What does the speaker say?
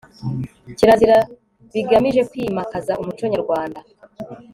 Kirazira bigamije kwimakaza umuco nyarwanda